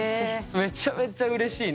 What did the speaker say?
めちゃめちゃうれしいね。